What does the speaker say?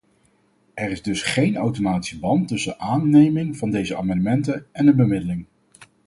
Er is dus geen automatische band tussen aanneming van deze amendementen en een bemiddeling.